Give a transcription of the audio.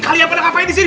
kalian pada ngapain disini